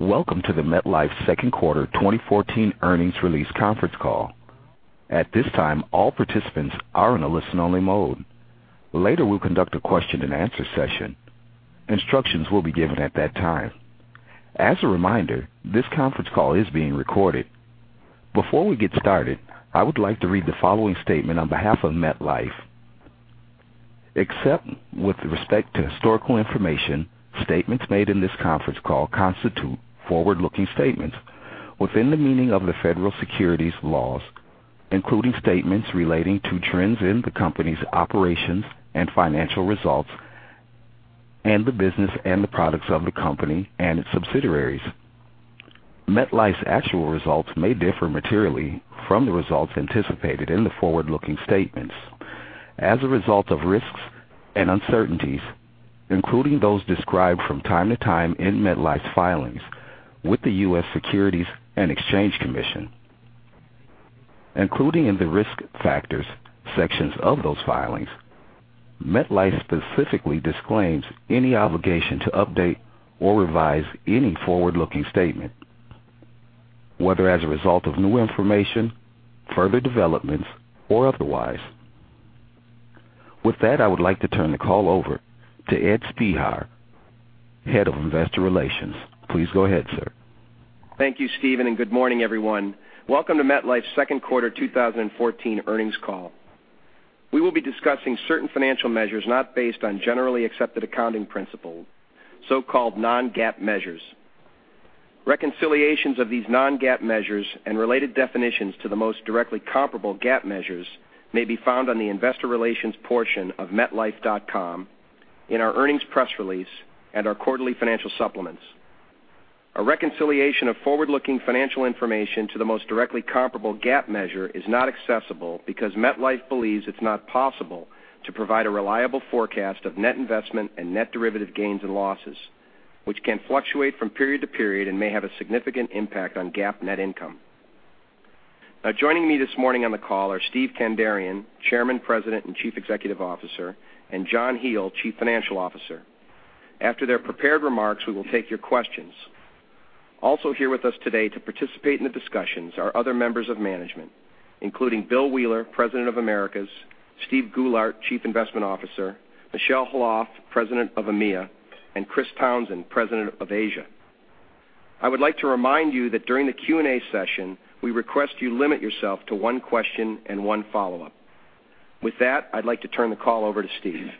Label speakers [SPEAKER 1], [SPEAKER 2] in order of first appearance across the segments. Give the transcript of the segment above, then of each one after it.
[SPEAKER 1] Welcome to the MetLife second quarter 2014 earnings release conference call. At this time, all participants are in a listen-only mode. Later, we'll conduct a question and answer session. Instructions will be given at that time. As a reminder, this conference call is being recorded. Before we get started, I would like to read the following statement on behalf of MetLife. Except with respect to historical information, statements made in this conference call constitute forward-looking statements within the meaning of the federal securities laws, including statements relating to trends in the company's operations and financial results, and the business and the products of the company and its subsidiaries. MetLife's actual results may differ materially from the results anticipated in the forward-looking statements as a result of risks and uncertainties, including those described from time to time in MetLife's filings with the U.S. Securities and Exchange Commission, including in the Risk Factors sections of those filings. MetLife specifically disclaims any obligation to update or revise any forward-looking statement, whether as a result of new information, further developments, or otherwise. With that, I would like to turn the call over to Ed Spehar, Head of Investor Relations. Please go ahead, sir.
[SPEAKER 2] Thank you, Steve, and good morning, everyone. Welcome to MetLife's second quarter 2014 earnings call. We will be discussing certain financial measures not based on generally accepted accounting principles, so-called non-GAAP measures. Reconciliations of these non-GAAP measures and related definitions to the most directly comparable GAAP measures may be found on the investor relations portion of metlife.com, in our earnings press release, and our quarterly financial supplements. A reconciliation of forward-looking financial information to the most directly comparable GAAP measure is not accessible because MetLife believes it's not possible to provide a reliable forecast of net investment and net derivative gains and losses, which can fluctuate from period to period and may have a significant impact on GAAP net income. Joining me this morning on the call are Steven Kandarian, Chairman, President, and Chief Executive Officer, and John Hele, Chief Financial Officer. After their prepared remarks, we will take your questions. Also here with us today to participate in the discussions are other members of management, including William Wheeler, President of the Americas, Steven Goulart, Chief Investment Officer, Michel Khalaf, President of EMEA, and Christopher Townsend, President of Asia. I would like to remind that during the Q&A session, we request you limit yourself to one question and one follow-up. With that, I'd like to turn the call over to Steve.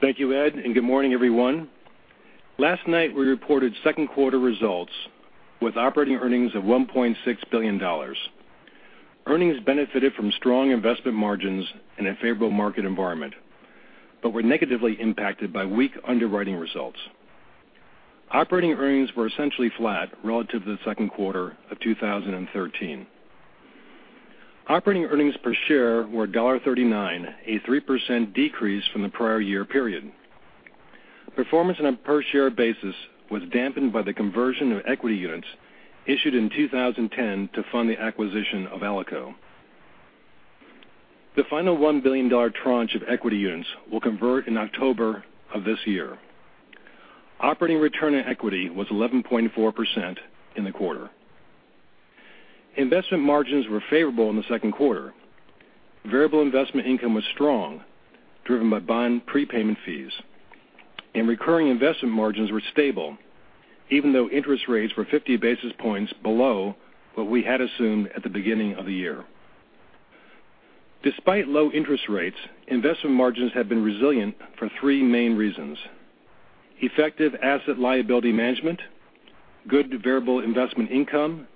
[SPEAKER 3] Thank you, Ed, and good morning, everyone. Last night, we reported second quarter results with operating earnings of $1.6 billion. Earnings benefited from strong investment margins in a favorable market environment but were negatively impacted by weak underwriting results. Operating earnings were essentially flat relative to the second quarter of 2013. Operating earnings per share were $1.39, a 3% decrease from the prior year period. Performance on a per-share basis was dampened by the conversion of equity units issued in 2010 to fund the acquisition of Alico. The final $1 billion tranche of equity units will convert in October of this year. Operating return on equity was 11.4% in the quarter. Investment margins were favorable in the second quarter. Variable investment income was strong, driven by bond prepayment fees, recurring investment margins were stable even though interest rates were 50 basis points below what we had assumed at the beginning of the year. Despite low interest rates, investment margins have been resilient for three main reasons: effective asset-liability management, good variable investment income,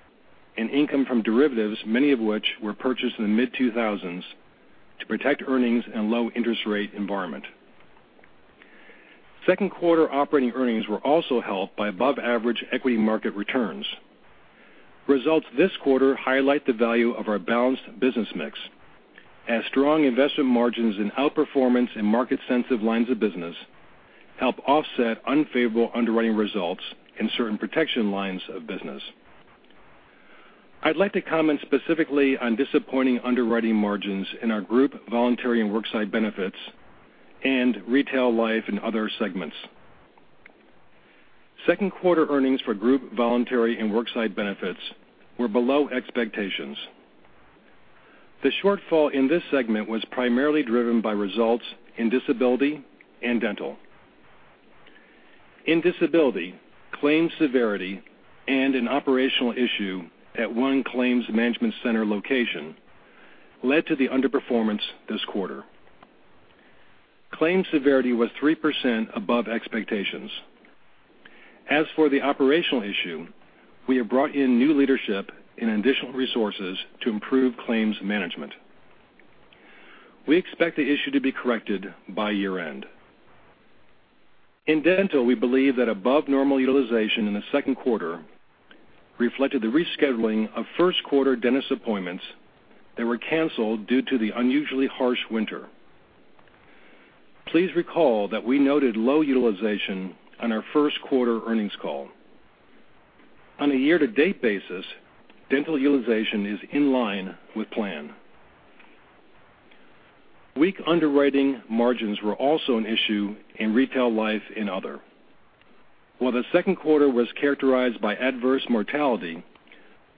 [SPEAKER 3] and income from derivatives, many of which were purchased in the mid-2000s to protect earnings in a low interest rate environment. Second quarter operating earnings were also helped by above-average equity market returns. Results this quarter highlight the value of our balanced business mix, as strong investment margins and outperformance in market-sensitive lines of business help offset unfavorable underwriting results in certain protection lines of business. I'd like to comment specifically on disappointing underwriting margins in our Group Voluntary and Worksite Benefits and Retail Life and other segments. Second quarter earnings for Group Voluntary and Worksite Benefits were below expectations. The shortfall in this segment was primarily driven by results in disability and dental. In disability, claims severity and an operational issue at one claims management center location led to the underperformance this quarter. Claims severity was 3% above expectations. As for the operational issue, we have brought in new leadership and additional resources to improve claims management. We expect the issue to be corrected by year-end. In dental, we believe that above-normal utilization in the second quarter reflected the rescheduling of first quarter dentist appointments that were canceled due to the unusually harsh winter. Please recall that we noted low utilization on our first quarter earnings call. On a year-to-date basis, dental utilization is in line with plan. Weak underwriting margins were also an issue in Retail Life and Other. While the second quarter was characterized by adverse mortality,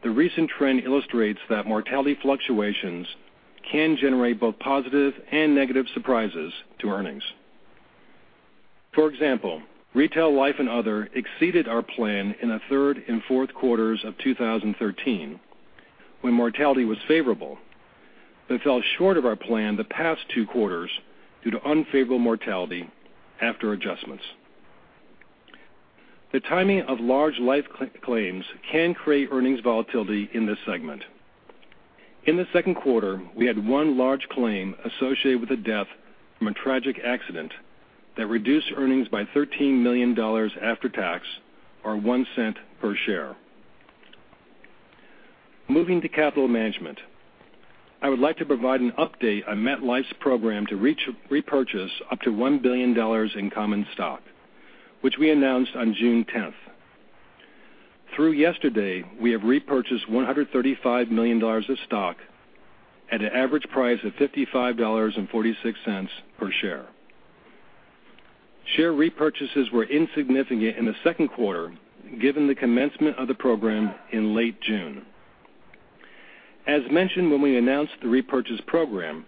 [SPEAKER 3] the recent trend illustrates that mortality fluctuations can generate both positive and negative surprises to earnings. For example, Retail Life and Other exceeded our plan in the third and fourth quarters of 2013, when mortality was favorable. Fell short of our plan the past two quarters due to unfavorable mortality after adjustments. The timing of large life claims can create earnings volatility in this segment. In the second quarter, we had one large claim associated with a death from a tragic accident that reduced earnings by $13 million after tax, or $0.01 per share. Moving to capital management, I would like to provide an update on MetLife's program to repurchase up to $1 billion in common stock, which we announced on June 10th. Through yesterday, we have repurchased $135 million of stock at an average price of $55.46 per share. Share repurchases were insignificant in the second quarter, given the commencement of the program in late June. As mentioned when we announced the repurchase program,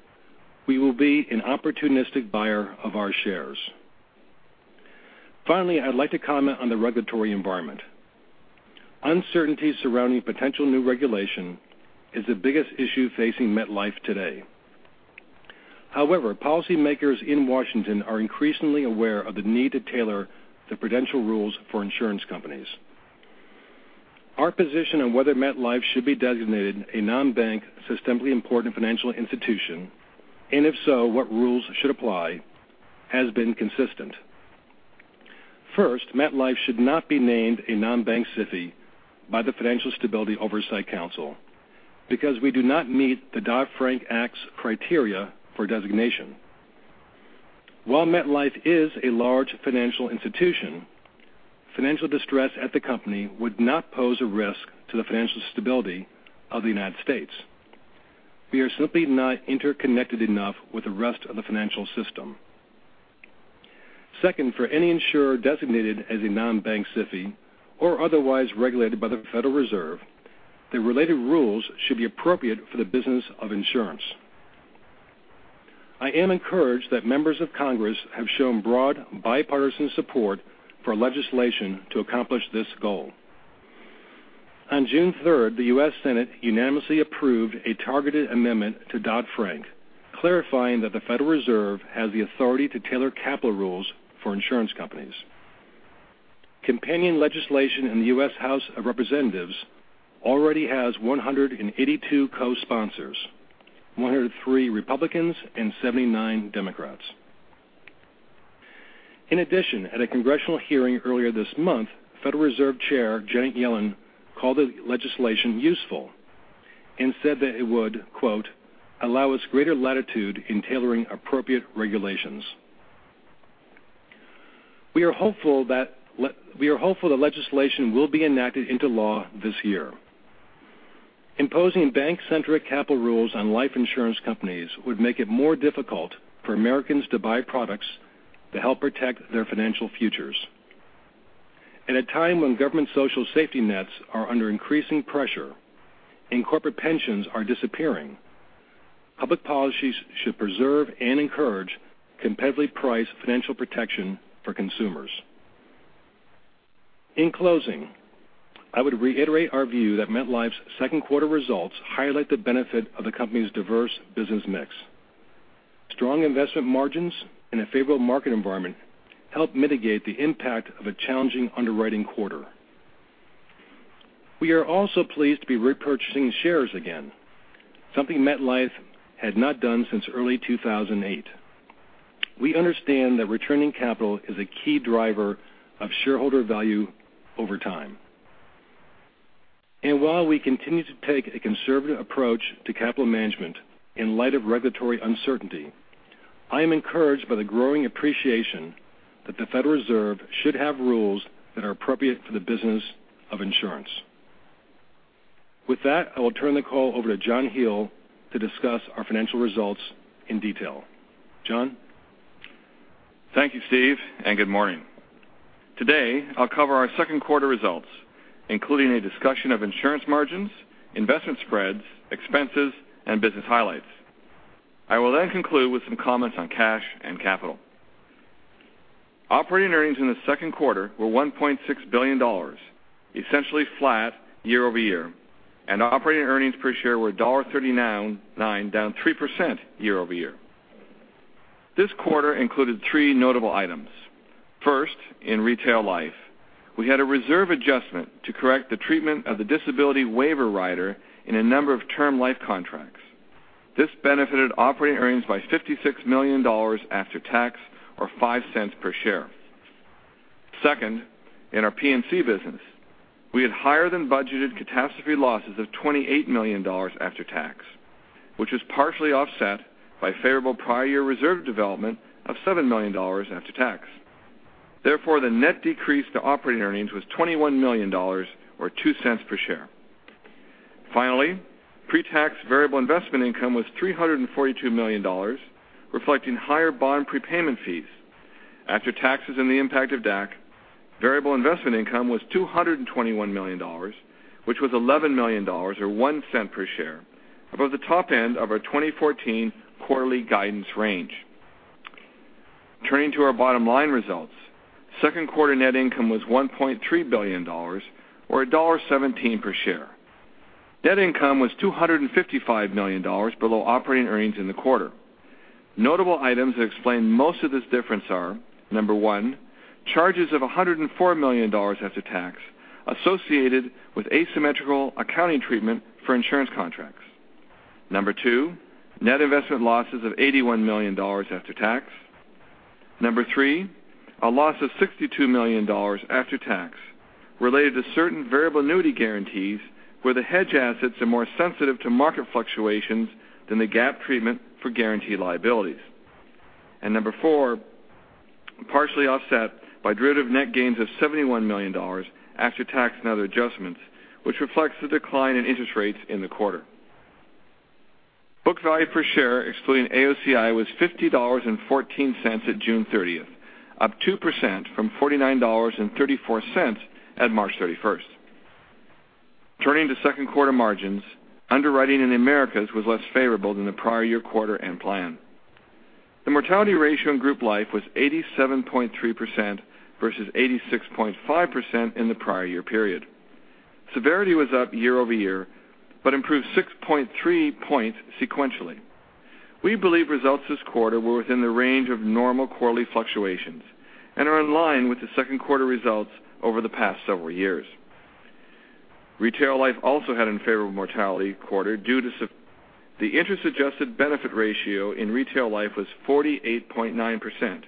[SPEAKER 3] we will be an opportunistic buyer of our shares. I'd like to comment on the regulatory environment. Uncertainty surrounding potential new regulation is the biggest issue facing MetLife today. Policymakers in Washington are increasingly aware of the need to tailor the prudential rules for insurance companies. Our position on whether MetLife should be designated a non-bank systemically important financial institution, and if so, what rules should apply, has been consistent. First, MetLife should not be named a non-bank SIFI by the Financial Stability Oversight Council because we do not meet the Dodd-Frank Act's criteria for designation. While MetLife is a large financial institution, financial distress at the company would not pose a risk to the financial stability of the U.S. We are simply not interconnected enough with the rest of the financial system. Second, for any insurer designated as a non-bank SIFI or otherwise regulated by the Federal Reserve, the related rules should be appropriate for the business of insurance. I am encouraged that members of Congress have shown broad bipartisan support for legislation to accomplish this goal. On June 3rd, the U.S. Senate unanimously approved a targeted amendment to Dodd-Frank, clarifying that the Federal Reserve has the authority to tailor capital rules for insurance companies. Companion legislation in the U.S. House of Representatives already has 182 co-sponsors, 103 Republicans and 79 Democrats. At a congressional hearing earlier this month, Federal Reserve Chair Janet Yellen called the legislation useful and said that it would, quote, "allow us greater latitude in tailoring appropriate regulations." We are hopeful that legislation will be enacted into law this year. Imposing bank-centric capital rules on life insurance companies would make it more difficult for Americans to buy products to help protect their financial futures. At a time when government social safety nets are under increasing pressure and corporate pensions are disappearing, public policies should preserve and encourage competitively priced financial protection for consumers. I would reiterate our view that MetLife's second quarter results highlight the benefit of the company's diverse business mix. Strong investment margins in a favorable market environment help mitigate the impact of a challenging underwriting quarter. We are also pleased to be repurchasing shares again, something MetLife had not done since early 2008. We understand that returning capital is a key driver of shareholder value over time. While we continue to take a conservative approach to capital management in light of regulatory uncertainty, I am encouraged by the growing appreciation that the Federal Reserve should have rules that are appropriate for the business of insurance. With that, I will turn the call over to John Hele to discuss our financial results in detail. John?
[SPEAKER 4] Thank you, Steve, good morning. Today, I'll cover our second quarter results, including a discussion of insurance margins, investment spreads, expenses, and business highlights. I will conclude with some comments on cash and capital. Operating earnings in the second quarter were $1.6 billion, essentially flat year-over-year, operating earnings per share were $1.39, down 3% year-over-year. This quarter included three notable items. First, in Retail Life, we had a reserve adjustment to correct the treatment of the disability waiver rider in a number of term life contracts. This benefited operating earnings by $56 million after tax, or $0.05 per share. Second, in our P&C business, we had higher than budgeted catastrophe losses of $28 million after tax, which was partially offset by favorable prior year reserve development of $7 million after tax. Therefore, the net decrease to operating earnings was $21 million, or $0.02 per share. Finally, pretax variable investment income was $342 million, reflecting higher bond prepayment fees. After taxes and the impact of DAC, variable investment income was $221 million, which was $11 million, or $0.01 per share, above the top end of our 2014 quarterly guidance range. Turning to our bottom line results, second quarter net income was $1.3 billion, or $1.17 per share. Net income was $255 million below operating earnings in the quarter. Notable items that explain most of this difference are, number one, charges of $104 million after tax associated with asymmetrical accounting treatment for insurance contracts. Number two, net investment losses of $81 million after tax. Number three, a loss of $62 million after tax related to certain variable annuity guarantees, where the hedge assets are more sensitive to market fluctuations than the GAAP treatment for guarantee liabilities. Number four, partially offset by derivative net gains of $71 million after tax and other adjustments, which reflects the decline in interest rates in the quarter. Book value per share, excluding AOCI, was $50.14 at June 30th, up 2% from $49.34 at March 31st. Turning to second quarter margins, underwriting in Americas was less favorable than the prior year quarter and plan. The mortality ratio in Group Life was 87.3% versus 86.5% in the prior year period. Severity was up year-over-year, but improved 6.3 points sequentially. We believe results this quarter were within the range of normal quarterly fluctuations and are in line with the second quarter results over the past several years. Retail Life also had an unfavorable mortality quarter. The interest-adjusted benefit ratio in Retail Life was 48.9%,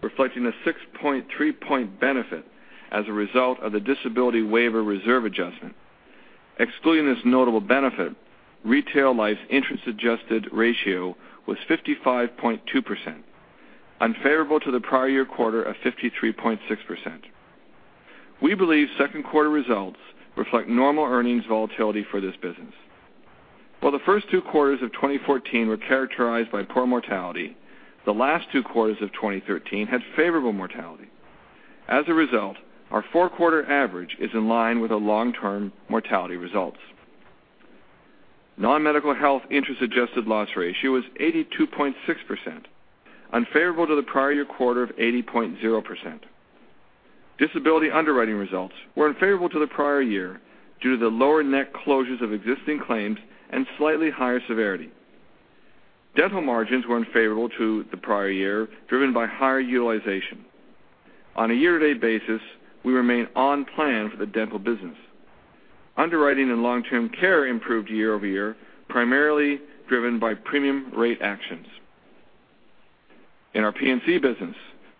[SPEAKER 4] reflecting a 6.3 point benefit as a result of the disability waiver reserve adjustment. Excluding this notable benefit, Retail Life's interest adjusted ratio was 55.2%, unfavorable to the prior year quarter of 53.6%. We believe second quarter results reflect normal earnings volatility for this business. While the first two quarters of 2014 were characterized by poor mortality, the last two quarters of 2013 had favorable mortality. As a result, our four-quarter average is in line with our long-term mortality results. Non-medical health interest adjusted loss ratio was 82.6%, unfavorable to the prior year quarter of 80.0%. Disability underwriting results were unfavorable to the prior year due to the lower net closures of existing claims and slightly higher severity. Dental margins were unfavorable to the prior year, driven by higher utilization. On a year-to-date basis, we remain on plan for the dental business. Underwriting and long-term care improved year-over-year, primarily driven by premium rate actions. In our P&C business,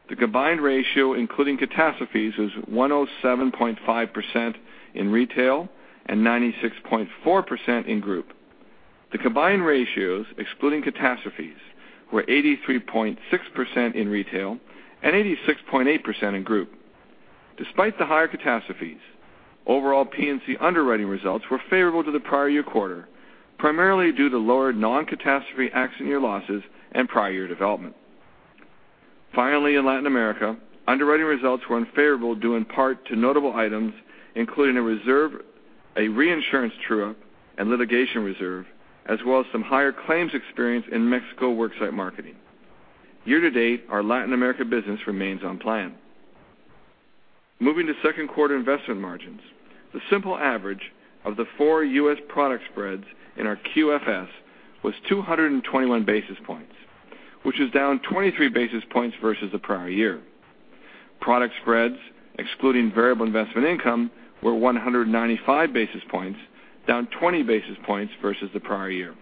[SPEAKER 4] the combined ratio, including catastrophes, was 107.5% in retail and 96.4% in group. The combined ratios, excluding catastrophes, were 83.6% in retail and 86.8% in group. Despite the higher catastrophes, overall P&C underwriting results were favorable to the prior year quarter, primarily due to lower non-catastrophe accident year losses and prior year development. Finally, in Latin America, underwriting results were unfavorable due in part to notable items, including a reinsurance true-up and litigation reserve, as well as some higher claims experience in Mexico worksite marketing. Year-to-date, our Latin America business remains on plan. Moving to second quarter investment margins, the simple average of the four U.S. product spreads in our QFS was 221 basis points, which is down 23 basis points versus the prior year. Product spreads, excluding variable investment income, were 195 basis points, down 20 basis points versus the prior year.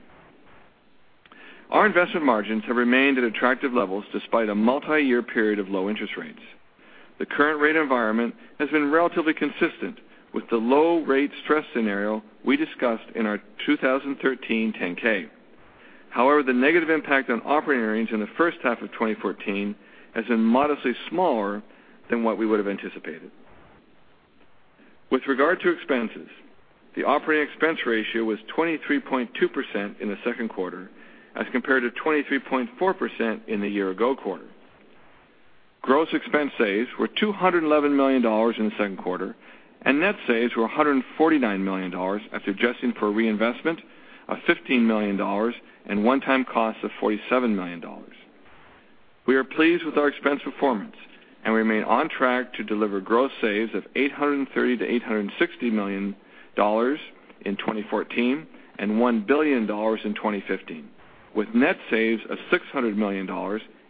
[SPEAKER 4] Our investment margins have remained at attractive levels despite a multi-year period of low interest rates. The current rate environment has been relatively consistent with the low rate stress scenario we discussed in our 2013 10-K. The negative impact on operating earnings in the first half of 2014 has been modestly smaller than what we would have anticipated. With regard to expenses, the operating expense ratio was 23.2% in the second quarter as compared to 23.4% in the year-ago quarter. Gross expense saves were $211 million in the second quarter. Net saves were $149 million after adjusting for reinvestment of $15 million and one-time costs of $47 million. We are pleased with our expense performance and remain on track to deliver gross saves of $830 million-$860 million in 2014 and $1 billion in 2015, with net saves of $600 million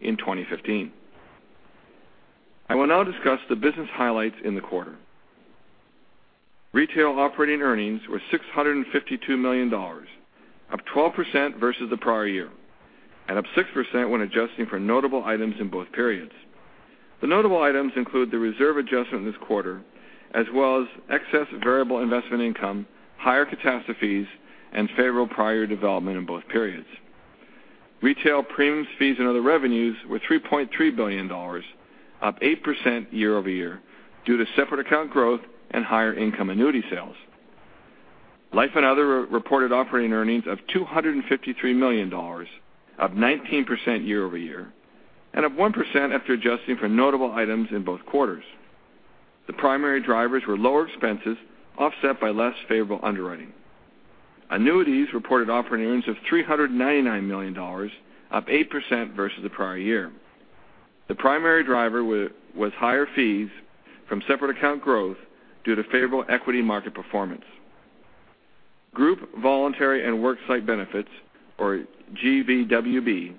[SPEAKER 4] in 2015. I will now discuss the business highlights in the quarter. Retail operating earnings were $652 million, up 12% versus the prior year, and up 6% when adjusting for notable items in both periods. The notable items include the reserve adjustment this quarter, as well as excess variable investment income, higher catastrophes, and favorable prior development in both periods. Retail premiums, fees, and other revenues were $3.3 billion, up 8% year-over-year due to separate account growth and higher income annuity sales. Life and other reported operating earnings of $253 million, up 19% year-over-year. Up 1% after adjusting for notable items in both quarters. The primary drivers were lower expenses offset by less favorable underwriting. Annuities reported operating earnings of $399 million, up 8% versus the prior year. The primary driver was higher fees from separate account growth due to favorable equity market performance. Group, Voluntary & Worksite Benefits, or GVWB,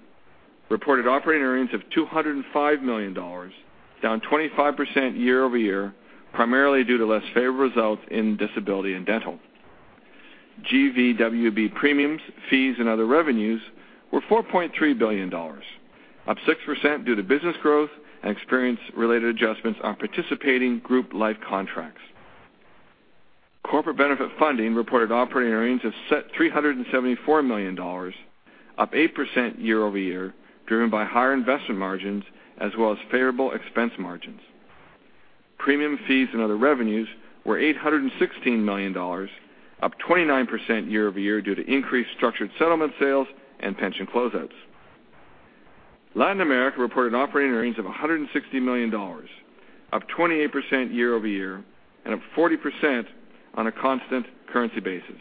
[SPEAKER 4] reported operating earnings of $205 million, down 25% year-over-year, primarily due to less favorable results in disability and dental. GVWB premiums, fees, and other revenues were $4.3 billion, up 6% due to business growth and experience-related adjustments on participating group life contracts. Corporate benefit funding reported operating earnings of $374 million, up 8% year-over-year, driven by higher investment margins as well as favorable expense margins. Premium fees and other revenues were $816 million, up 29% year-over-year due to increased structured settlement sales and pension closeouts. Latin America reported operating earnings of $160 million, up 28% year-over-year, and up 40% on a constant currency basis.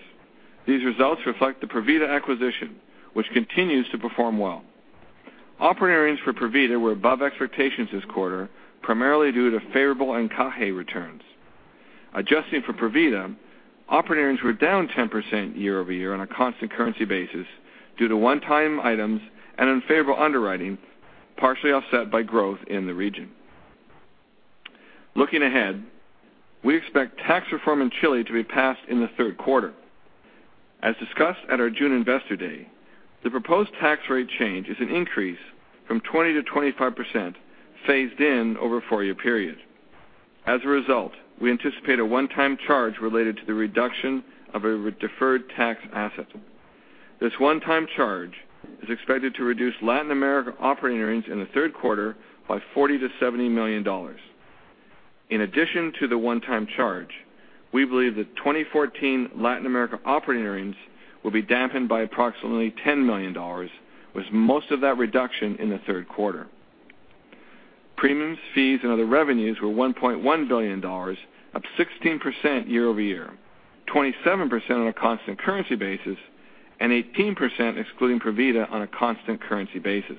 [SPEAKER 4] These results reflect the Provida acquisition, which continues to perform well. Operating earnings for Provida were above expectations this quarter, primarily due to favorable encaje returns. Adjusting for Provida, operating earnings were down 10% year-over-year on a constant currency basis due to one-time items and unfavorable underwriting, partially offset by growth in the region. Looking ahead, we expect tax reform in Chile to be passed in the third quarter. As discussed at our June investor day, the proposed tax rate change is an increase from 20%-25% phased in over a four-year period. We anticipate a one-time charge related to the reduction of a deferred tax asset. This one-time charge is expected to reduce Latin America operating earnings in the third quarter by $40 million-$70 million. In addition to the one-time charge, we believe that 2014 Latin America operating earnings will be dampened by approximately $10 million, with most of that reduction in the third quarter. Premiums, fees, and other revenues were $1.1 billion, up 16% year-over-year, 27% on a constant currency basis, and 18% excluding Provida on a constant currency basis.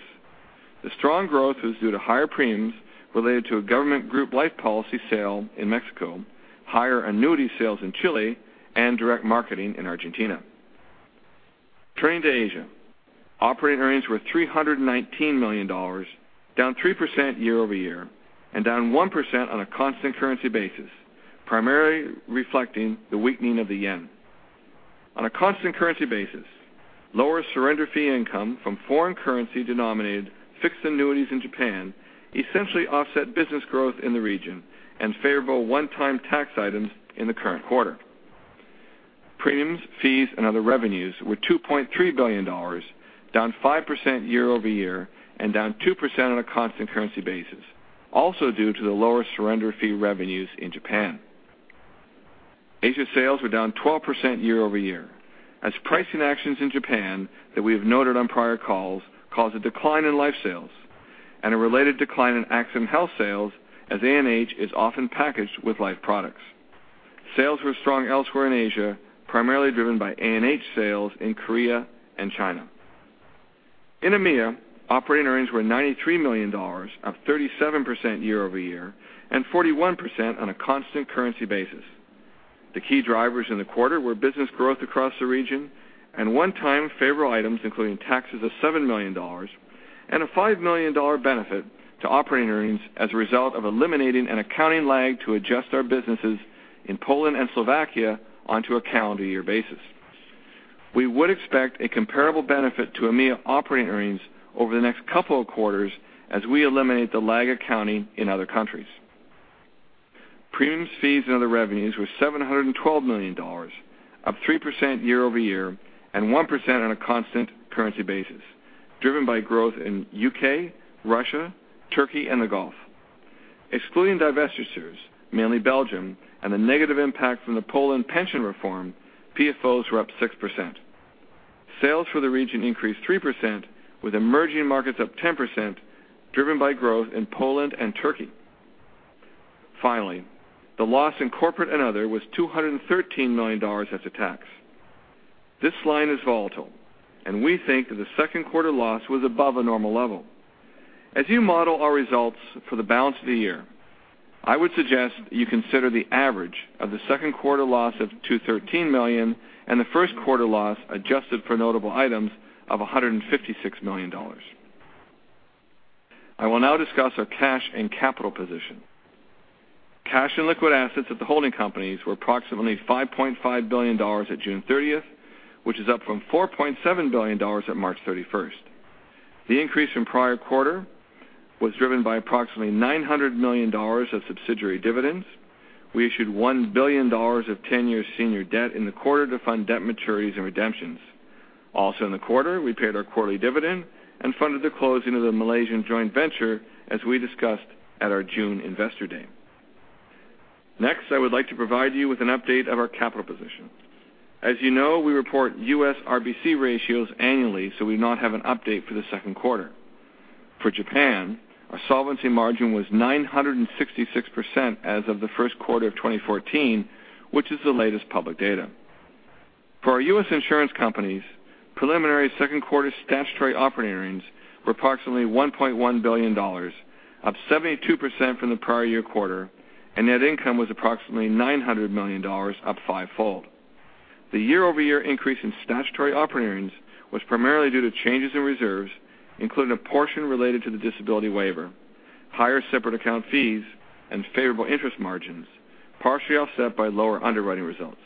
[SPEAKER 4] The strong growth was due to higher premiums related to a government group life policy sale in Mexico, higher annuity sales in Chile, and direct marketing in Argentina. Turning to Asia. Operating earnings were $319 million, down 3% year-over-year, and down 1% on a constant currency basis, primarily reflecting the weakening of the yen. On a constant currency basis, lower surrender fee income from foreign currency denominated fixed annuities in Japan essentially offset business growth in the region and favorable one-time tax items in the current quarter. Premiums, fees, and other revenues were $2.3 billion, down 5% year-over-year and down 2% on a constant currency basis, also due to the lower surrender fee revenues in Japan. Asia sales were down 12% year-over-year as pricing actions in Japan that we have noted on prior calls caused a decline in life sales and a related decline in accident health sales as A&H is often packaged with life products. Sales were strong elsewhere in Asia, primarily driven by A&H sales in Korea and China. In EMEA, operating earnings were $93 million, up 37% year-over-year and 41% on a constant currency basis. The key drivers in the quarter were business growth across the region and one-time favorable items, including taxes of $7 million and a $5 million benefit to operating earnings as a result of eliminating an accounting lag to adjust our businesses in Poland and Slovakia onto a calendar year basis. We would expect a comparable benefit to EMEA operating earnings over the next couple of quarters as we eliminate the lag accounting in other countries. Premiums, fees, and other revenues were $712 million, up 3% year-over-year and 1% on a constant currency basis, driven by growth in U.K., Russia, Turkey, and the Gulf. Excluding divestitures, mainly Belgium, and the negative impact from the Poland pension reform, PFOs were up 6%. Sales for the region increased 3%, with emerging markets up 10%, driven by growth in Poland and Turkey. Finally, the loss in corporate and other was $213 million after tax. This line is volatile, and we think that the second quarter loss was above a normal level. As you model our results for the balance of the year, I would suggest you consider the average of the second quarter loss of $213 million and the first quarter loss, adjusted for notable items of $156 million. I will now discuss our cash and capital position. Cash and liquid assets at the holding companies were approximately $5.5 billion at June 30th, which is up from $4.7 billion at March 31st. The increase from prior quarter was driven by approximately $900 million of subsidiary dividends. We issued $1 billion of 10-year senior debt in the quarter to fund debt maturities and redemptions. In the quarter, we paid our quarterly dividend and funded the closing of the Malaysian joint venture as we discussed at our June investor day. I would like to provide you with an update of our capital position. As you know, we report U.S. RBC ratios annually, so we do not have an update for the second quarter. For Japan, our solvency margin was 966% as of the first quarter of 2014, which is the latest public data. For our U.S. insurance companies, preliminary second quarter statutory operating earnings were approximately $1.1 billion, up 72% from the prior year quarter, and net income was approximately $900 million, up fivefold. The year-over-year increase in statutory operating earnings was primarily due to changes in reserves, including a portion related to the disability waiver, higher separate account fees, and favorable interest margins, partially offset by lower underwriting results.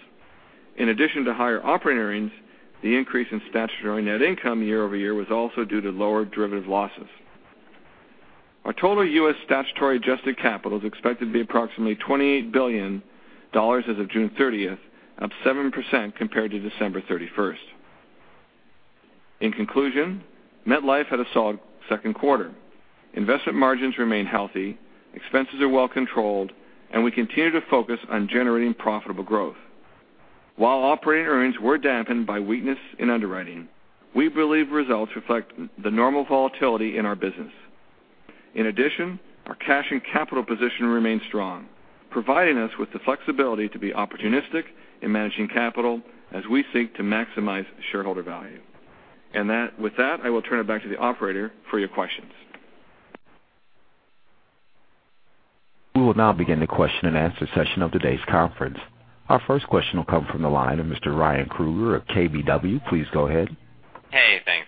[SPEAKER 4] In addition to higher operating earnings, the increase in statutory net income year-over-year was also due to lower derivative losses. Our total U.S. statutory adjusted capital is expected to be approximately $28 billion as of June 30th, up 7% compared to December 31st. In conclusion, MetLife had a solid second quarter. Investment margins remain healthy, expenses are well controlled, and we continue to focus on generating profitable growth. While operating earnings were dampened by weakness in underwriting, we believe results reflect the normal volatility in our business. In addition, our cash and capital position remains strong, providing us with the flexibility to be opportunistic in managing capital as we seek to maximize shareholder value. With that, I will turn it back to the operator for your questions.
[SPEAKER 1] We will now begin the question-and-answer session of today's conference. Our first question will come from the line of Mr. Ryan Krueger of KBW. Please go ahead.
[SPEAKER 5] Hey, thanks.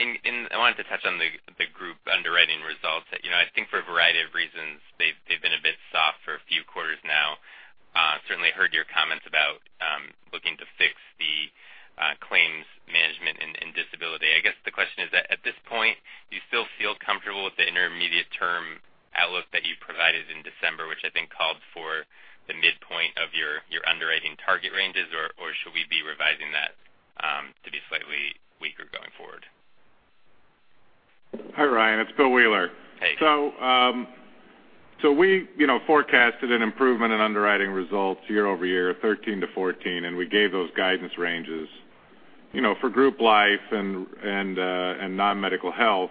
[SPEAKER 5] Good morning. I wanted to touch on the group underwriting results. I think for a variety of reasons, they've been a bit soft for a few quarters now. Certainly heard your comments about looking to fix the claims management and disability. I guess the question is that at this point, do you still feel comfortable with the intermediate term outlook that you provided in December, which I think called for the midpoint of your underwriting target ranges? Or should we be revising that to be slightly weaker going forward?
[SPEAKER 6] Hi, Ryan. It's William Wheeler.
[SPEAKER 5] Hey.
[SPEAKER 6] We forecasted an improvement in underwriting results year-over-year 2013 to 2014, and we gave those guidance ranges for group life and non-medical health.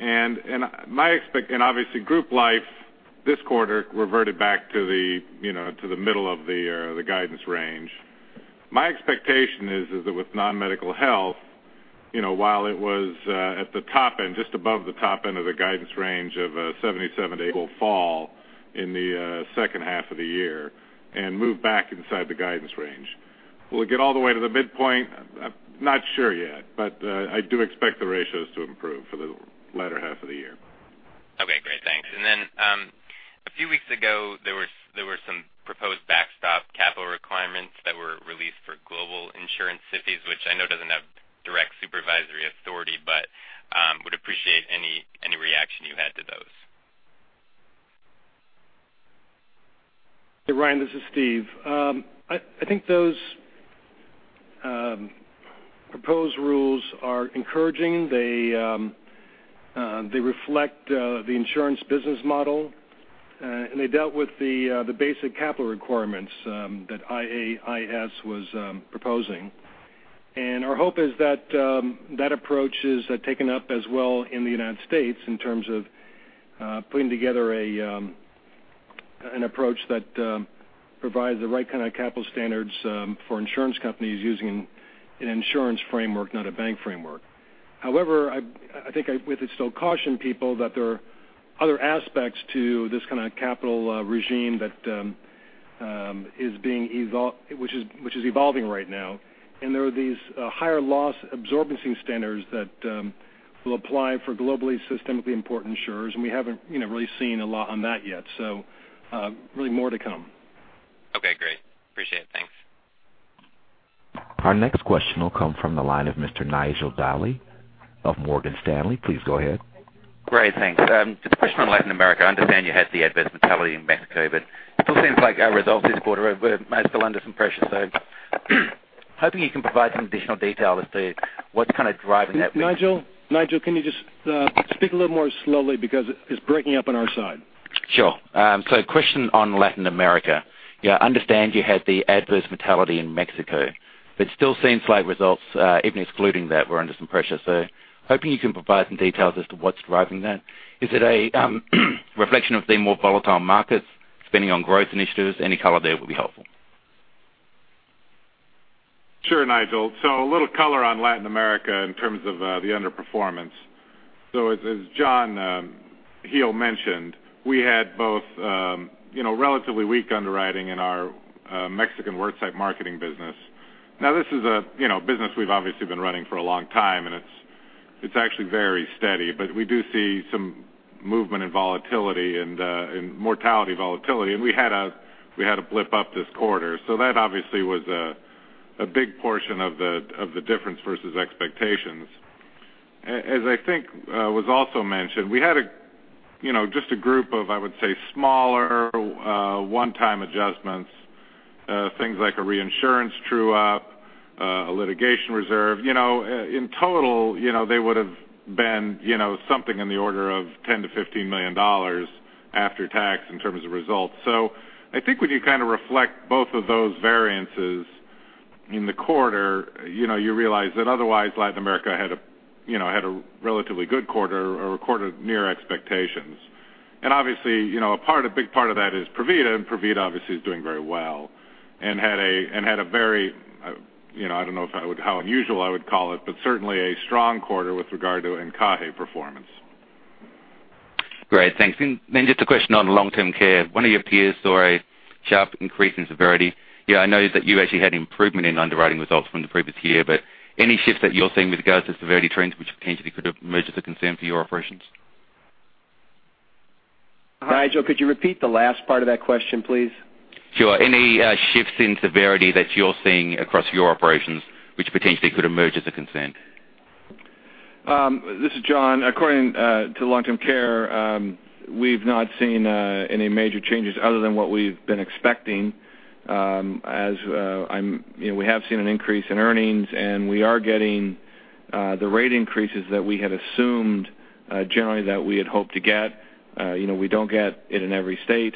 [SPEAKER 6] Obviously group life this quarter reverted back to the middle of the guidance range. My expectation is that with non-medical health, while it was at the top end, just above the top end of the guidance range of 77%-80%, will fall in the second half of the year and move back inside the guidance range. Will it get all the way to the midpoint? I'm not sure yet, but I do expect the ratios to improve for the latter half of the year.
[SPEAKER 5] Okay, great. Thanks. A few weeks ago, there were some proposed backstop capital requirements that were released for Global Systemically Important Insurers, which I know doesn't have direct supervisory authority, but would appreciate any reaction you had to those.
[SPEAKER 3] Hey, Ryan, this is Steve. I think those proposed rules are encouraging. They reflect the insurance business model. They dealt with the basic capital requirements that IAIS was proposing. Our hope is that that approach is taken up as well in the U.S. in terms of putting together an approach that provides the right kind of capital standards for insurance companies using an insurance framework, not a bank framework. However, I think I would still caution people that there are other aspects to this kind of capital regime which is evolving right now. There are these Higher Loss Absorbency standards that will apply for Global Systemically Important Insurers, and we haven't really seen a lot on that yet. Really more to come.
[SPEAKER 5] Okay, great. Appreciate it. Thanks.
[SPEAKER 1] Our next question will come from the line of Mr. Nigel Dally of Morgan Stanley. Please go ahead.
[SPEAKER 7] Great, thanks. Just a question on Latin America. I understand you had the adverse mortality in Mexico. It still seems like our results this quarter are still under some pressure, hoping you can provide some additional detail as to what's kind of driving that.
[SPEAKER 3] Nigel, can you just speak a little more slowly because it's breaking up on our side?
[SPEAKER 7] Sure. Question on Latin America. I understand you had the adverse mortality in Mexico, but still seeing slight results, even excluding that, were under some pressure. Hoping you can provide some details as to what's driving that. Is it a reflection of the more volatile markets, spending on growth initiatives? Any color there would be helpful.
[SPEAKER 6] Sure, Nigel. A little color on Latin America in terms of the underperformance. As John Hele mentioned, we had both relatively weak underwriting in our Mexican worksite marketing business. This is a business we've obviously been running for a long time, and it's actually very steady, but we do see some movement in volatility and mortality volatility, and we had a blip up this quarter. That obviously was a A big portion of the difference versus expectations. As I think was also mentioned, we had just a group of, I would say, smaller one-time adjustments, things like a reinsurance true-up, a litigation reserve. In total, they would've been something in the order of $10 million-$15 million after tax in terms of results. I think when you kind of reflect both of those variances in the quarter, you realize that otherwise Latin America had a relatively good quarter or recorded near expectations. Obviously, a big part of that is Provida, and Provida obviously is doing very well and had a very, I don't know how unusual I would call it, but certainly a strong quarter with regard to encaje performance.
[SPEAKER 7] Great, thanks. Just a question on long-term care. One of your peers saw a sharp increase in severity. I know that you actually had improvement in underwriting results from the previous year, but any shifts that you're seeing with regards to severity trends which potentially could emerge as a concern for your operations?
[SPEAKER 2] Nigel, could you repeat the last part of that question, please?
[SPEAKER 7] Sure. Any shifts in severity that you're seeing across your operations which potentially could emerge as a concern?
[SPEAKER 4] This is John. According to long-term care, we've not seen any major changes other than what we've been expecting. We have seen an increase in earnings, and we are getting the rate increases that we had assumed generally that we had hoped to get. We don't get it in every state,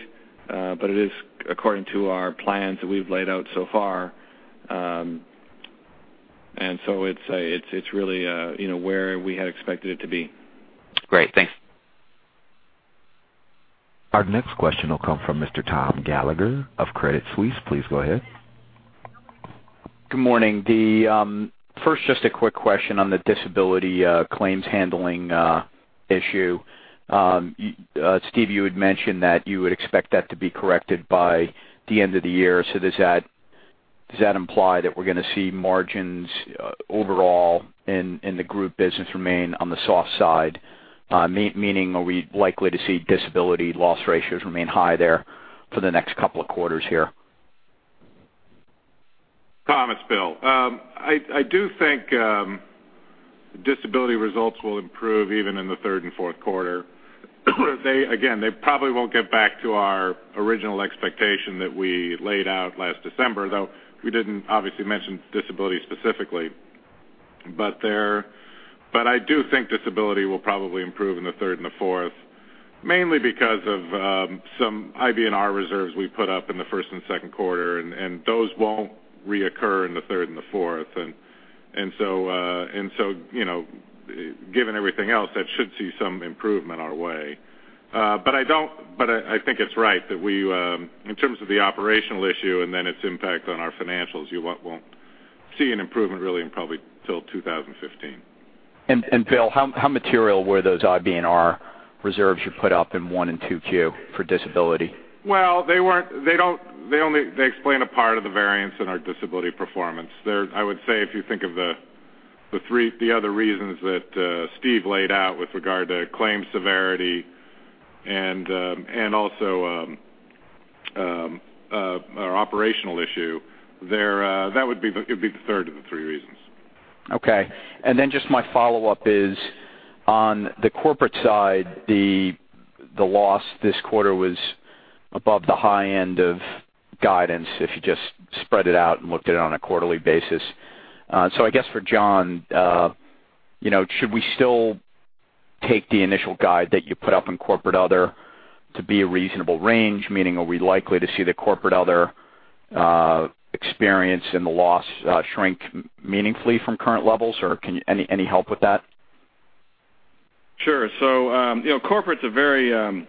[SPEAKER 4] but it is according to our plans that we've laid out so far. So it's really where we had expected it to be.
[SPEAKER 7] Great, thanks.
[SPEAKER 1] Our next question will come from Mr. Thomas Gallagher of Credit Suisse. Please go ahead.
[SPEAKER 8] Good morning. First, just a quick question on the disability claims handling issue. Steve, you had mentioned that you would expect that to be corrected by the end of the year. Does that imply that we're going to see margins overall in the group business remain on the soft side, meaning are we likely to see disability loss ratios remain high there for the next couple of quarters here?
[SPEAKER 6] Tom, it's Bill. I do think disability results will improve even in the third and fourth quarter. Again, they probably won't get back to our original expectation that we laid out last December, though we didn't obviously mention disability specifically. I do think disability will probably improve in the third and the fourth, mainly because of some IBNR reserves we put up in the first and second quarter, and those won't reoccur in the third and the fourth. Given everything else, that should see some improvement our way. I think it's right that in terms of the operational issue and then its impact on our financials, you won't see an improvement really until probably 2015.
[SPEAKER 8] Bill, how material were those IBNR reserves you put up in Q1 and Q2 for disability?
[SPEAKER 6] They explain a part of the variance in our disability performance. I would say if you think of the other reasons that Steve laid out with regard to claims severity and also our operational issue, it'd be the third of the three reasons.
[SPEAKER 8] Just my follow-up is on the corporate side, the loss this quarter was above the high end of guidance if you just spread it out and looked at it on a quarterly basis. I guess for John, should we still take the initial guide that you put up in Corporate Other to be a reasonable range, meaning are we likely to see the Corporate Other experience and the loss shrink meaningfully from current levels? Any help with that?
[SPEAKER 4] Corporate's a very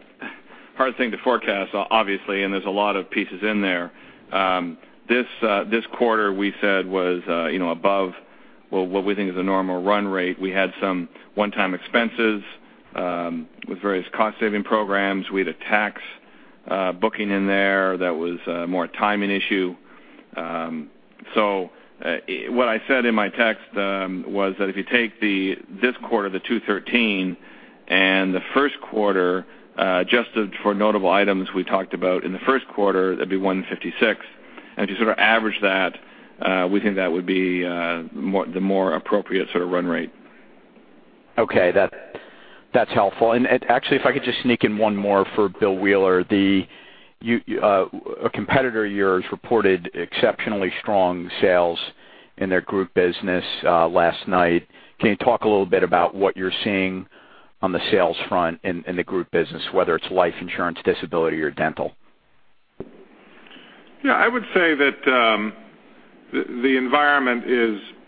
[SPEAKER 4] hard thing to forecast, obviously, and there's a lot of pieces in there. This quarter we said was above what we think is a normal run rate. We had some one-time expenses with various cost-saving programs. We had a tax booking in there that was more a timing issue. What I said in my text was that if you take this quarter, the $213, and the first quarter, adjusted for notable items we talked about in the first quarter, that'd be $156. If you sort of average that, we think that would be the more appropriate sort of run rate.
[SPEAKER 8] Okay. That's helpful. Actually, if I could just sneak in one more for William Wheeler. A competitor of yours reported exceptionally strong sales in their group business last night. Can you talk a little bit about what you're seeing on the sales front in the group business, whether it's life insurance, disability, or dental?
[SPEAKER 6] Yeah, I would say that the environment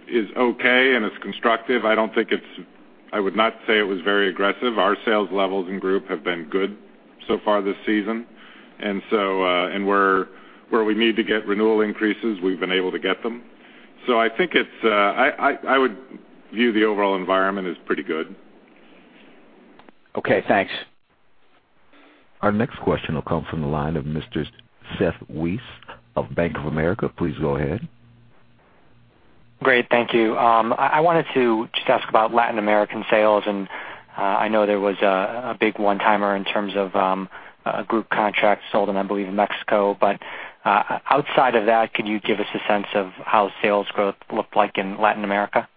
[SPEAKER 6] is okay and it's constructive. I would not say it was very aggressive. Our sales levels in group have been good so far this season. Where we need to get renewal increases, we've been able to get them. I would view the overall environment as pretty good.
[SPEAKER 8] Okay, thanks.
[SPEAKER 1] Our next question will come from the line of Mr. Seth Weiss of Bank of America. Please go ahead.
[SPEAKER 9] Great. Thank you. I wanted to just ask about Latin American sales. I know there was a big one-timer in terms of a group contract sold in, I believe, Mexico. Outside of that, could you give us a sense of how sales growth looked like in Latin America?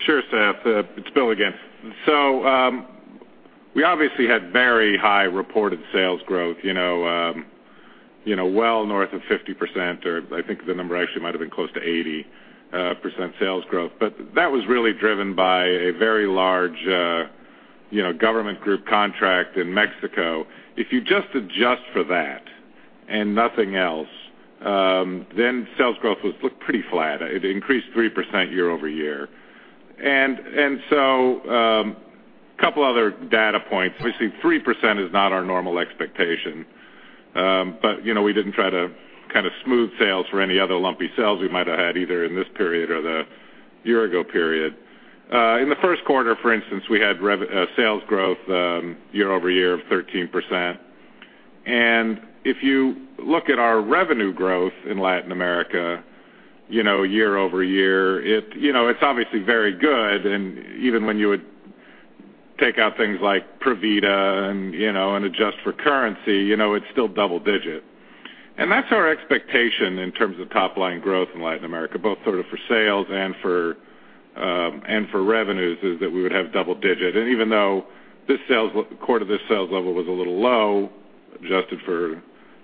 [SPEAKER 6] Sure, Seth. It's Bill again. We obviously had very high reported sales growth well north of 50%, or I think the number actually might have been close to 80% sales growth. That was really driven by a very large government group contract in Mexico. If you just adjust for that and nothing else, then sales growth would look pretty flat. It increased 3% year-over-year. A couple of other data points. Obviously, 3% is not our normal expectation. We didn't try to kind of smooth sales for any other lumpy sales we might have had either in this period or the year-ago period. In the first quarter, for instance, we had sales growth year-over-year of 13%. If you look at our revenue growth in Latin America year-over-year, it's obviously very good. Even when you would take out things like Provida and adjust for currency, it's still double digit. That's our expectation in terms of top-line growth in Latin America, both sort of for sales and for revenues, is that we would have double digit. Even though this quarter, this sales level was a little low, adjusted for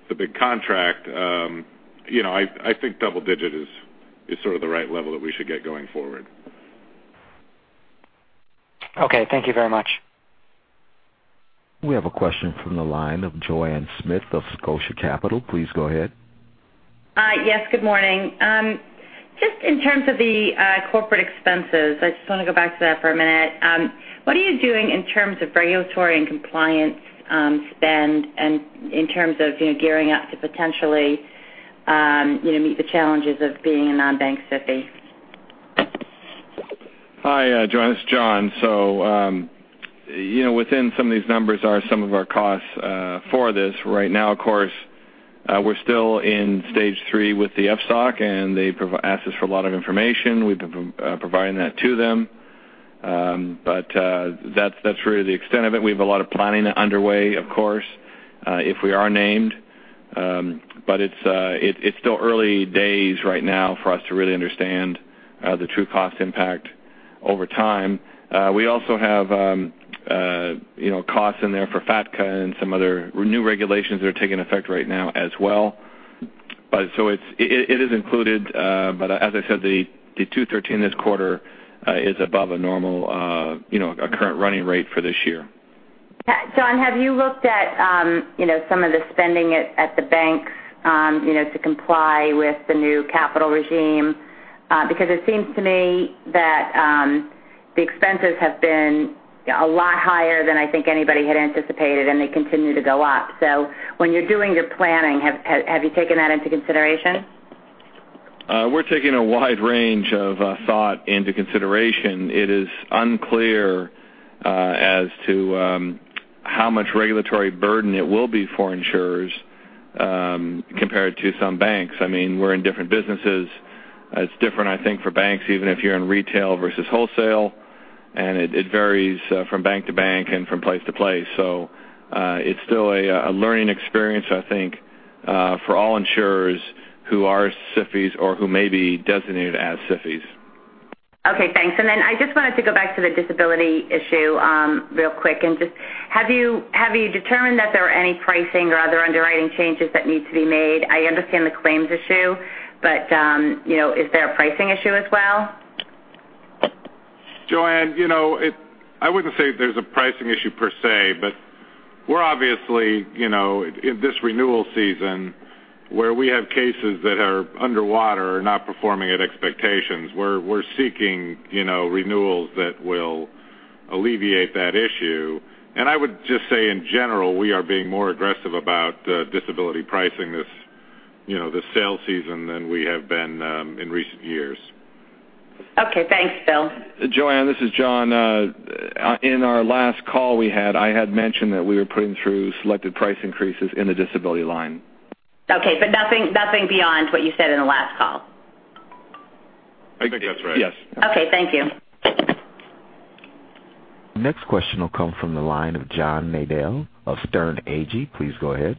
[SPEAKER 6] the big contract, I think double digit is sort of the right level that we should get going forward.
[SPEAKER 9] Okay. Thank you very much.
[SPEAKER 1] We have a question from the line of Joanne Smith of Scotia Capital. Please go ahead.
[SPEAKER 10] Yes, good morning. In terms of the corporate expenses, I just want to go back to that for a minute. What are you doing in terms of regulatory and compliance spend and in terms of gearing up to potentially meet the challenges of being a non-bank SIFI?
[SPEAKER 4] Hi, Joanne, it's John. Within some of these numbers are some of our costs for this. Right now, of course, we're still in stage 3 with the FSOC, and they've asked us for a lot of information. We've been providing that to them. That's really the extent of it. We have a lot of planning underway, of course, if we are named, it's still early days right now for us to really understand the true cost impact over time. We also have costs in there for FATCA and some other new regulations that are taking effect right now as well. It is included. As I said, the $213 this quarter is above a normal current running rate for this year.
[SPEAKER 10] John, have you looked at some of the spending at the banks to comply with the new capital regime? Because it seems to me that the expenses have been a lot higher than I think anybody had anticipated, and they continue to go up. When you're doing your planning, have you taken that into consideration?
[SPEAKER 4] We're taking a wide range of thought into consideration. It is unclear as to how much regulatory burden it will be for insurers compared to some banks. We're in different businesses. It's different, I think, for banks, even if you're in retail versus wholesale, and it varies from bank to bank and from place to place. It's still a learning experience, I think, for all insurers who are SIFIs or who may be designated as SIFIs.
[SPEAKER 10] Okay, thanks. I just wanted to go back to the disability issue real quick. Have you determined that there are any pricing or other underwriting changes that need to be made? I understand the claims issue, but is there a pricing issue as well?
[SPEAKER 6] Joanne, I wouldn't say there's a pricing issue per se, but we're obviously in this renewal season where we have cases that are underwater or not performing at expectations. We're seeking renewals that will alleviate that issue. I would just say in general, we are being more aggressive about disability pricing this sales season than we have been in recent years.
[SPEAKER 10] Okay, thanks, Bill.
[SPEAKER 4] Joanne, this is John. In our last call, I had mentioned that we were putting through selected price increases in the disability line.
[SPEAKER 10] Okay, nothing beyond what you said in the last call?
[SPEAKER 6] I think that's right.
[SPEAKER 4] Yes.
[SPEAKER 10] Okay, thank you.
[SPEAKER 1] Next question will come from the line of John Nadel of Sterne Agee. Please go ahead.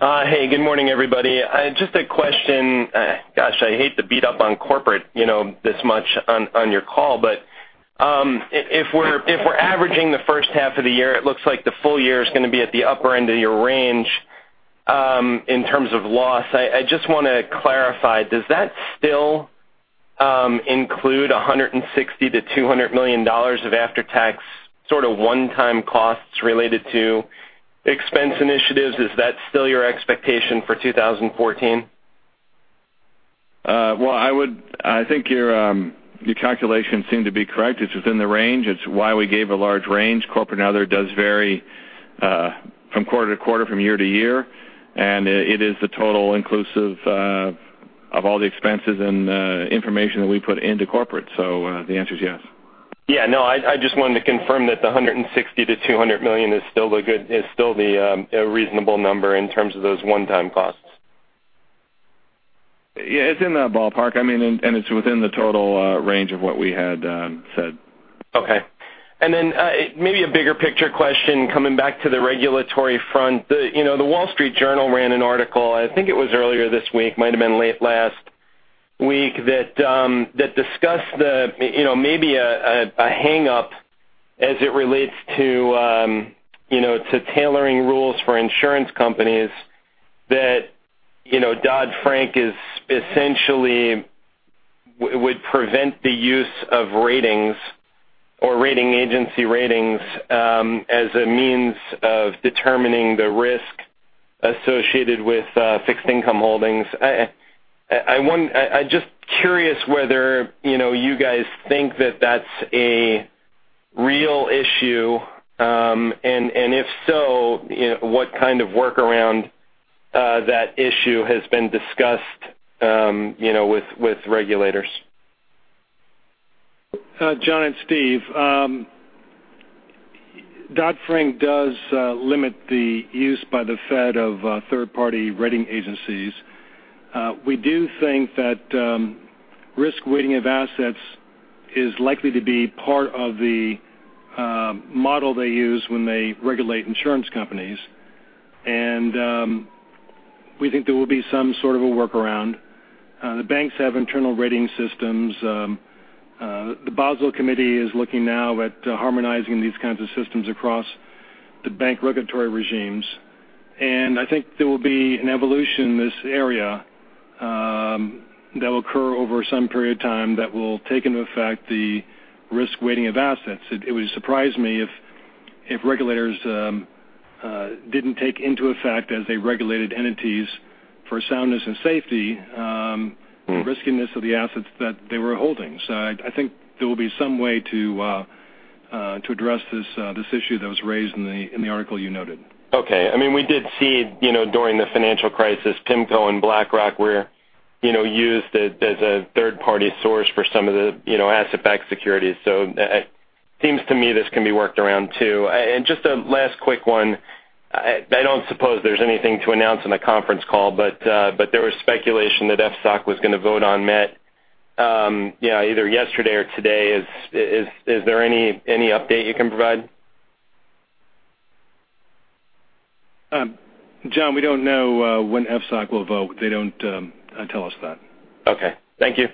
[SPEAKER 11] Hey, good morning, everybody. Just a question. Gosh, I hate to beat up on corporate this much on your call. If we're averaging the first half of the year, it looks like the full year is going to be at the upper end of your range in terms of loss. I just want to clarify, does that still include $160 million-$200 million of after-tax sort of one-time costs related to expense initiatives? Is that still your expectation for 2014?
[SPEAKER 4] Well, I think your calculations seem to be correct. It's within the range. It's why we gave a large range. Corporate and other does vary from quarter to quarter, from year to year, and it is the total inclusive of all the expenses and information that we put into corporate. The answer is yes.
[SPEAKER 11] Yeah. No, I just wanted to confirm that the $160 million-$200 million is still the reasonable number in terms of those one-time costs.
[SPEAKER 4] Yeah, it's in that ballpark, and it's within the total range of what we had said.
[SPEAKER 11] Then maybe a bigger picture question coming back to the regulatory front. The Wall Street Journal ran an article, I think it was earlier this week, might've been late last week, that discussed maybe a hang-up as it relates to tailoring rules for insurance companies that Dodd-Frank essentially would prevent the use of ratings or rating agency ratings as a means of determining the risk associated with fixed income holdings. I'm just curious whether you guys think that that's a real issue. If so, what kind of workaround that issue has been discussed with regulators.
[SPEAKER 3] John and Steve. Dodd-Frank does limit the use by the Fed of third-party rating agencies. We do think that risk-weighting of assets is likely to be part of the model they use when they regulate insurance companies. We think there will be some sort of a workaround. The banks have internal rating systems. The Basel Committee is looking now at harmonizing these kinds of systems across the bank regulatory regimes, and I think there will be an evolution in this area that will occur over some period of time that will take into effect the risk-weighting of assets. It would surprise me if regulators didn't take into effect as they regulated entities for soundness and safety. the riskiness of the assets that they were holding. I think there will be some way to address this issue that was raised in the article you noted.
[SPEAKER 11] Okay. We did see during the financial crisis, PIMCO and BlackRock were used as a third-party source for some of the asset-backed securities. It seems to me this can be worked around, too. Just a last quick one. I don't suppose there's anything to announce on a conference call, but there was speculation that FSOC was going to vote on MET either yesterday or today. Is there any update you can provide?
[SPEAKER 3] John, we don't know when FSOC will vote. They don't tell us that.
[SPEAKER 11] Okay. Thank you.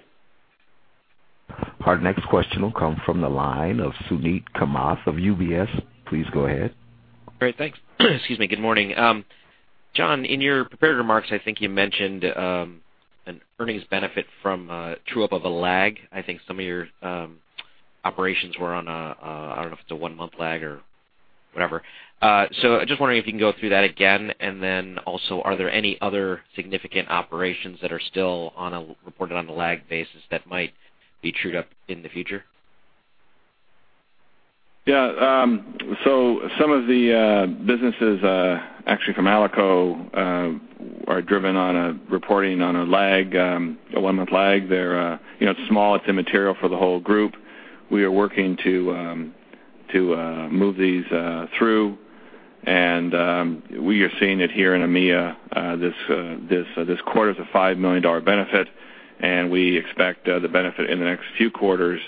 [SPEAKER 1] Our next question will come from the line of Suneet Kamath of UBS. Please go ahead.
[SPEAKER 12] Great. Thanks. Excuse me. Good morning. John, in your prepared remarks, I think you mentioned an earnings benefit from true up of a lag. I think some of your operations were on a, I don't know if it's a one-month lag or whatever. I'm just wondering if you can go through that again. Also, are there any other significant operations that are still reported on a lag basis that might be trued up in the future?
[SPEAKER 4] Some of the businesses, actually from Alico, are driven on a reporting on a lag, a one-month lag. It's small. It's immaterial for the whole group. We are working to move these through. We are seeing it here in EMEA. This quarter's a $5 million benefit, and we expect the benefit in the next few quarters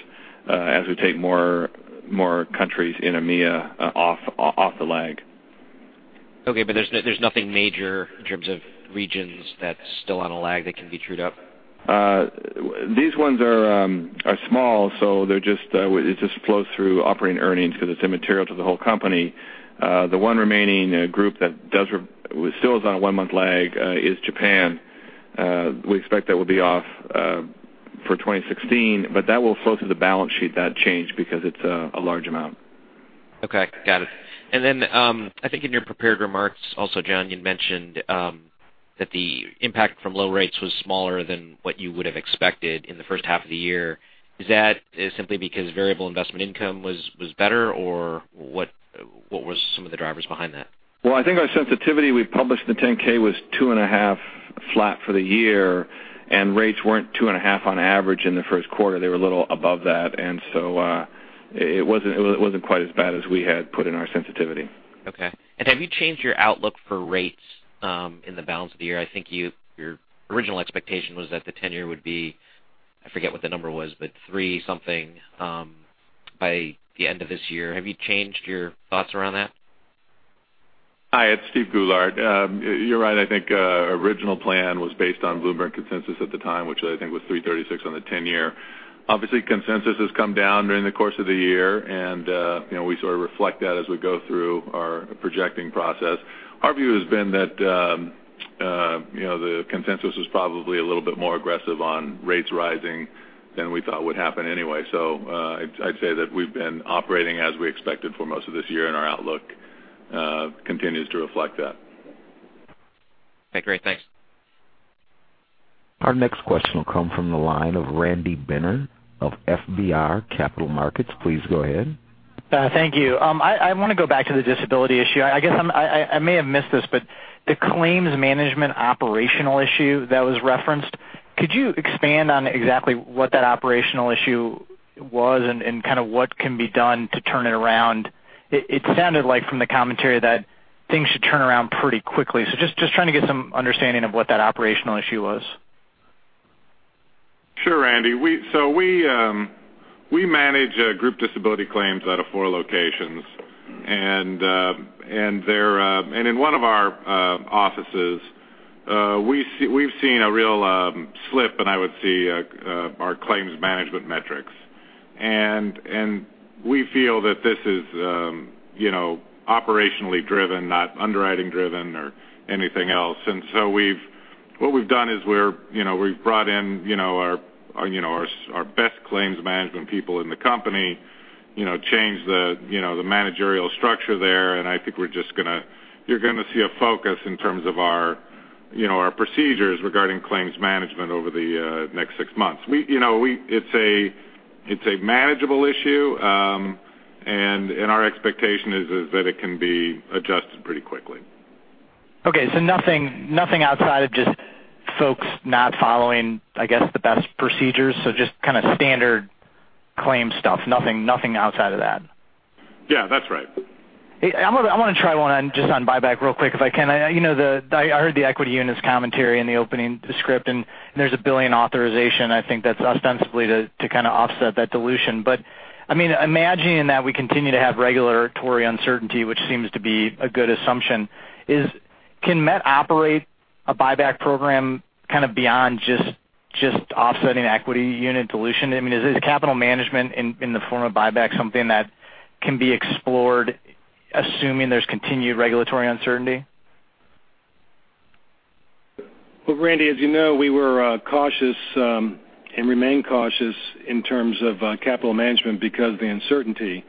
[SPEAKER 4] as we take more countries in EMEA off the lag.
[SPEAKER 12] There's nothing major in terms of regions that's still on a lag that can be trued up?
[SPEAKER 4] These ones are small, so it just flows through operating earnings because it's immaterial to the whole company. The one remaining group that still is on a one-month lag is Japan. We expect that will be off for 2016, but that will flow through the balance sheet, that change, because it's a large amount.
[SPEAKER 12] Okay. Got it. I think in your prepared remarks also, John, you mentioned that the impact from low rates was smaller than what you would have expected in the first half of the year. Is that simply because variable investment income was better, or what was some of the drivers behind that?
[SPEAKER 4] Well, I think our sensitivity we published in the 10-K was two and a half flat for the year, and rates weren't two and a half on average in the first quarter. They were a little above that. It wasn't quite as bad as we had put in our sensitivity.
[SPEAKER 12] Okay. Have you changed your outlook for rates in the balance of the year? I think your original expectation was that the 10-year would be, I forget what the number was, but three something by the end of this year. Have you changed your thoughts around that?
[SPEAKER 13] Hi, it's Steven Goulart. You're right. I think original plan was based on Bloomberg consensus at the time, which I think was 336 on the 10-year. Obviously, consensus has come down during the course of the year, and we sort of reflect that as we go through our projecting process. Our view has been that the consensus was probably a little bit more aggressive on rates rising than we thought would happen anyway. I'd say that we've been operating as we expected for most of this year, and our outlook continues to reflect that.
[SPEAKER 12] Okay, great. Thanks.
[SPEAKER 1] Our next question will come from the line of Randy Binner of FBR Capital Markets. Please go ahead.
[SPEAKER 14] Thank you. I want to go back to the disability issue. I guess I may have missed this, but the claims management operational issue that was referenced, could you expand on exactly what that operational issue was and what can be done to turn it around? It sounded like from the commentary that things should turn around pretty quickly. Just trying to get some understanding of what that operational issue was.
[SPEAKER 6] Sure, Randy. We manage group disability claims out of four locations, and in one of our offices we've seen a real slip in, I would say, our claims management metrics. We feel that this is operationally driven, not underwriting driven or anything else. What we've done is we've brought in our best claims management people in the company, changed the managerial structure there, and I think you're going to see a focus in terms of our procedures regarding claims management over the next six months. It's a manageable issue, and our expectation is that it can be adjusted pretty quickly.
[SPEAKER 14] Okay, nothing outside of just folks not following, I guess, the best procedures, just kind of standard claims stuff, nothing outside of that.
[SPEAKER 6] Yeah, that's right.
[SPEAKER 14] I want to try one just on buyback real quick if I can. I heard the equity units commentary in the opening script, there's a $1 billion authorization, I think, that's ostensibly to kind of offset that dilution. Imagining that we continue to have regulatory uncertainty, which seems to be a good assumption, can Met operate a buyback program kind of beyond just offsetting equity unit dilution? I mean, is capital management in the form of buyback something that can be explored, assuming there's continued regulatory uncertainty?
[SPEAKER 3] Well, Randy, as you know, we were cautious and remain cautious in terms of capital management because of the uncertainty,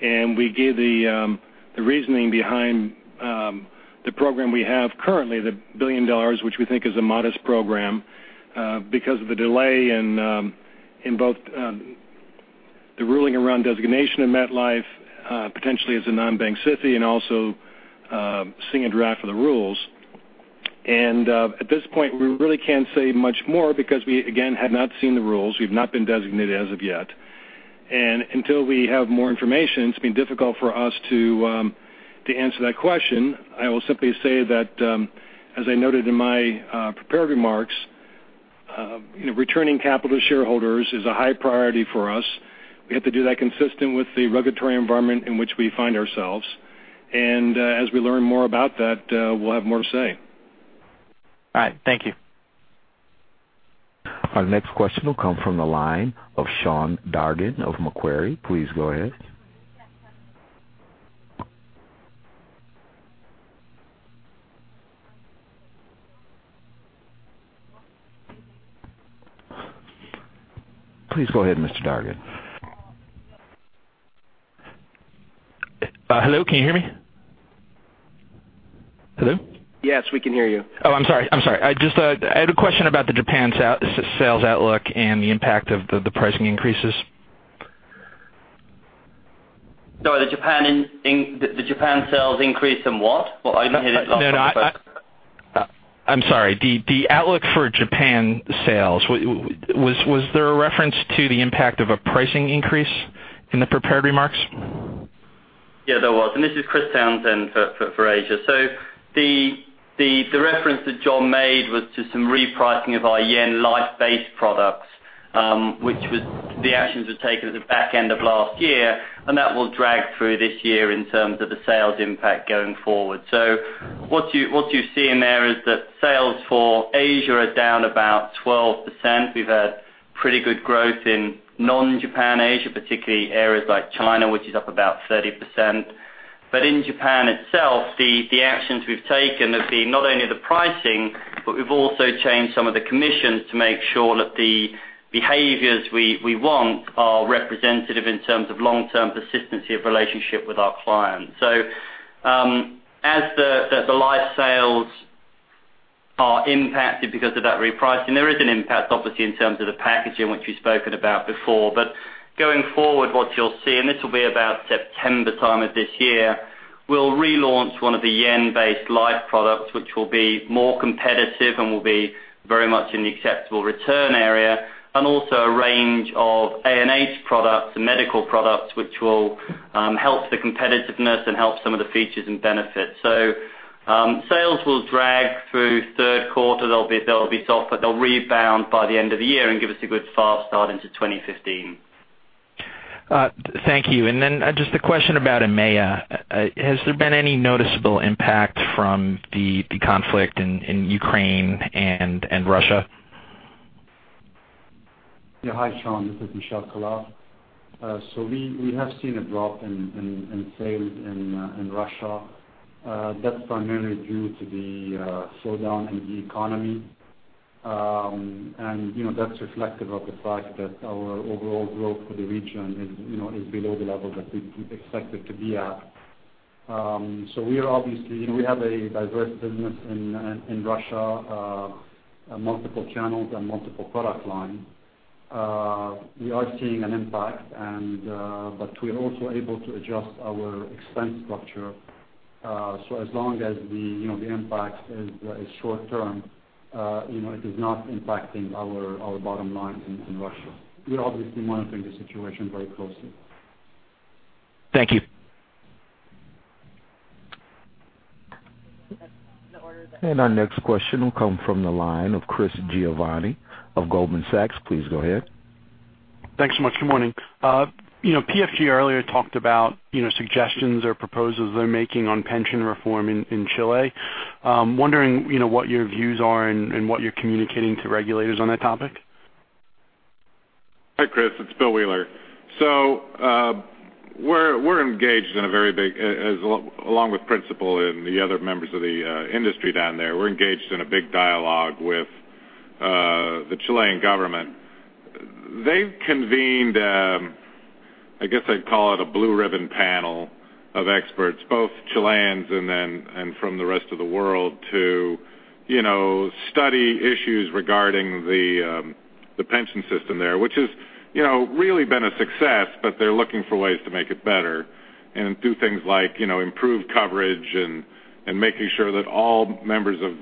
[SPEAKER 3] we gave the reasoning behind the program we have currently, the $1 billion, which we think is a modest program because of the delay in both the ruling around designation of MetLife potentially as a non-bank SIFI also seeing a draft of the rules. At this point, we really can't say much more because we, again, have not seen the rules. We've not been designated as of yet. Until we have more information, it's been difficult for us to answer that question. I will simply say that, as I noted in my prepared remarks, returning capital to shareholders is a high priority for us. We have to do that consistent with the regulatory environment in which we find ourselves, and as we learn more about that, we'll have more to say.
[SPEAKER 14] All right. Thank you.
[SPEAKER 1] Our next question will come from the line of Sean Dargan of Macquarie. Please go ahead. Please go ahead, Mr. Dargan.
[SPEAKER 15] Hello, can you hear me? Hello?
[SPEAKER 1] Yes, we can hear you.
[SPEAKER 15] Oh, I'm sorry. I had a question about the Japan sales outlook and the impact of the pricing increases.
[SPEAKER 16] Sorry, the Japan sales increase in what? I only heard it.
[SPEAKER 15] No, I'm sorry. The outlook for Japan sales. Was there a reference to the impact of a pricing increase in the prepared remarks?
[SPEAKER 16] There was, this is Christopher Townsend for Asia. The reference that John made was to some repricing of our JPY life-based products which the actions were taken at the back end of last year, that will drag through this year in terms of the sales impact going forward. What you're seeing there is that sales for Asia are down about 12%. We've had pretty good growth in non-Japan Asia, particularly areas like China, which is up about 30%. In Japan itself, the actions we've taken have been not only the pricing, we've also changed some of the commissions to make sure that the behaviors we want are representative in terms of long-term persistency of relationship with our clients. As the life sales are impacted because of that repricing, there is an impact, obviously, in terms of the packaging, which we've spoken about before. Going forward, what you'll see, and this will be about September time of this year, we'll relaunch one of the JPY-based life products, which will be more competitive and will be very much in the acceptable return area, and also a range of A&H products and medical products, which will help the competitiveness and help some of the features and benefits. Sales will drag through third quarter. They'll be soft, but they'll rebound by the end of the year and give us a good, fast start into 2015.
[SPEAKER 15] Thank you. Just a question about EMEA. Has there been any noticeable impact from the conflict in Ukraine and Russia?
[SPEAKER 17] Hi, Sean. This is Michel Khalaf. We have seen a drop in sales in Russia. That's primarily due to the slowdown in the economy. That's reflective of the fact that our overall growth for the region is below the level that we expect it to be at We have a diverse business in Russia, multiple channels and multiple product line. We are seeing an impact but we are also able to adjust our expense structure. As long as the impact is short term, it is not impacting our bottom line in Russia. We are obviously monitoring the situation very closely.
[SPEAKER 1] Thank you. Our next question will come from the line of Chris Giovanni of Goldman Sachs. Please go ahead.
[SPEAKER 18] Thanks so much. Good morning. PFG earlier talked about suggestions or proposals they're making on pension reform in Chile. I'm wondering what your views are and what you're communicating to regulators on that topic.
[SPEAKER 6] Hi, Chris. It's Bill Wheeler. We're engaged in a very big, along with Principal and the other members of the industry down there. We're engaged in a big dialogue with the Chilean government. They've convened, I guess I'd call it a blue ribbon panel of experts, both Chileans and from the rest of the world to study issues regarding the pension system there, which has really been a success, but they're looking for ways to make it better and do things like improve coverage and making sure that all members of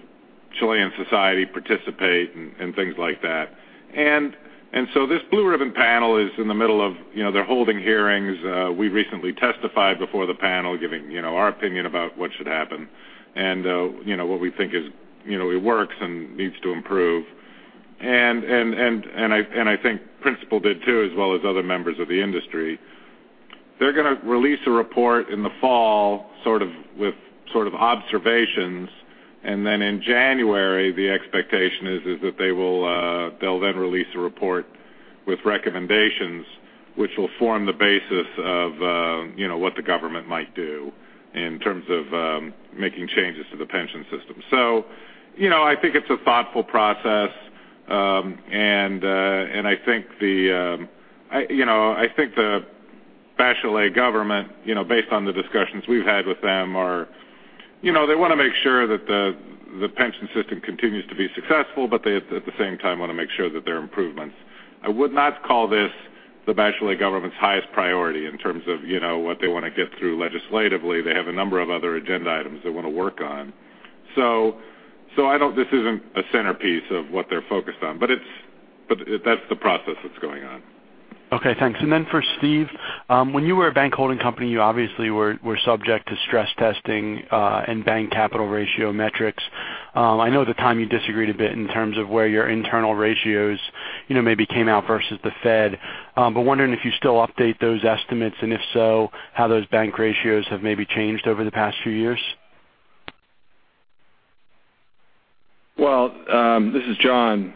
[SPEAKER 6] Chilean society participate and things like that. This blue ribbon panel is in the middle of, they're holding hearings. We recently testified before the panel, giving our opinion about what should happen and what we think works and needs to improve. I think Principal did too, as well as other members of the industry. They're going to release a report in the fall with sort of observations. In January, the expectation is that they'll then release a report with recommendations which will form the basis of what the government might do in terms of making changes to the pension system. I think it's a thoughtful process. I think the Bachelet government, based on the discussions we've had with them, they want to make sure that the pension system continues to be successful, but they, at the same time, want to make sure that there are improvements. I would not call this the Bachelet government's highest priority in terms of what they want to get through legislatively. They have a number of other agenda items they want to work on. This isn't a centerpiece of what they're focused on, but that's the process that's going on.
[SPEAKER 18] Okay, thanks. For Steve, when you were a bank holding company, you obviously were subject to stress testing and bank capital ratio metrics. I know at the time you disagreed a bit in terms of where your internal ratios maybe came out versus the Fed, wondering if you still update those estimates, and if so, how those bank ratios have maybe changed over the past few years.
[SPEAKER 4] This is John.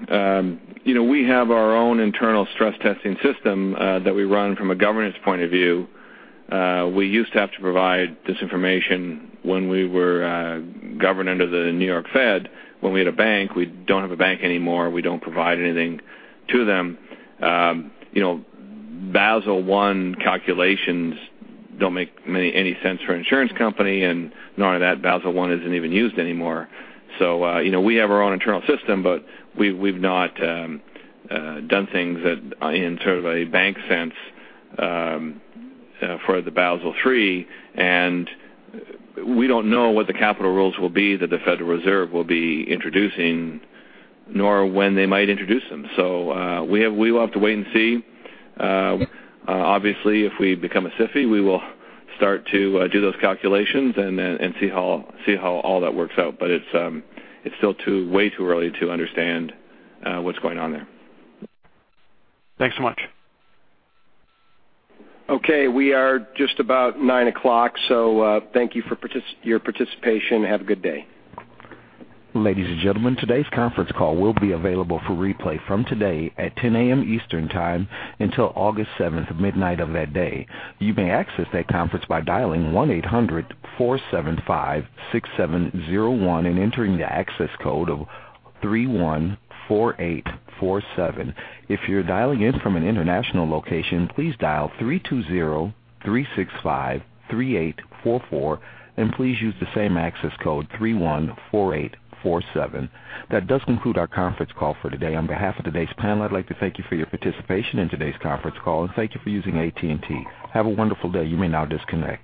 [SPEAKER 4] We have our own internal stress testing system that we run from a governance point of view. We used to have to provide this information when we were governed under the New York Fed when we had a bank. We don't have a bank anymore. We don't provide anything to them. Basel I calculations don't make any sense for an insurance company, nor that Basel I isn't even used anymore. We have our own internal system, but we've not done things in sort of a bank sense for the Basel III, we don't know what the capital rules will be that the Federal Reserve will be introducing, nor when they might introduce them. We will have to wait and see. Obviously, if we become a SIFI, we will start to do those calculations and see how all that works out. It's still way too early to understand what's going on there.
[SPEAKER 18] Thanks so much.
[SPEAKER 2] Okay, we are just about 9:00 o'clock. Thank you for your participation. Have a good day.
[SPEAKER 1] Ladies and gentlemen, today's conference call will be available for replay from today at 10:00 A.M. Eastern time until August 7th, 12:00 A.M. of that day. You may access that conference by dialing 1-800-475-6701 and entering the access code of 314847. If you're dialing in from an international location, please dial 320-365-3844, and please use the same access code, 314847. That does conclude our conference call for today. On behalf of today's panel, I'd like to thank you for your participation in today's conference call and thank you for using AT&T. Have a wonderful day. You may now disconnect.